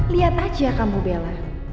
lihat aja kamu bella